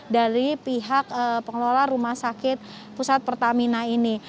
dari pihak pengelola rumah sakit pusat pertamina ini